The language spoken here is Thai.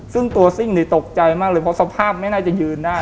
ซึ่งตัวซิ่งนี่ตกใจมากเลยเพราะสภาพไม่น่าจะยืนได้